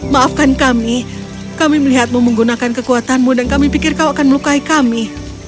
maafkan kami kami melihatmu menggunakan kekuatanmu dan kami pikir kau akan melukai kami